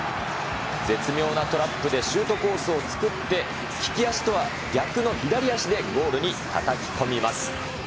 絶妙なトラップで、シュートコースを作って、利き足とは逆の左足でゴールにたたき込みます。